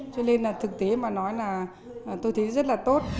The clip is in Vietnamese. cho nên là thực tế mà nói là tôi thấy rất là tốt